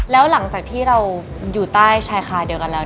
แล้วหลังจากที่เราอยู่ใต้ชายคาเดียวกันแล้ว